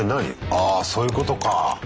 あそういうことか。